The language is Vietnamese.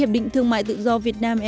và tôi nghĩ những người dân việt nam